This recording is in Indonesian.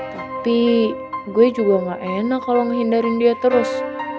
tapi gue juga gak enak kalo ngehindarin dia terus